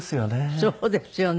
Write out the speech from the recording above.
そうですよね。